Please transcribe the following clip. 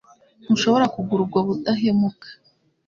Ntushobora kugura ubwo budahemuka